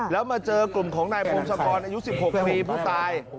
แล้วมาเจอกลุ่มของนายพงศกรอายุ๑๖ปีผู้ตาย